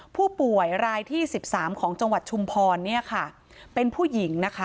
ผู้ป่วยรายที่๑๓ของจังหวัดชุมพรเนี่ยค่ะเป็นผู้หญิงนะคะ